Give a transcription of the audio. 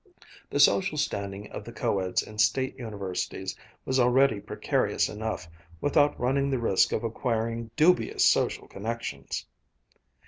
The social standing of the co eds in State Universities was already precarious enough, without running the risk of acquiring dubious social connections.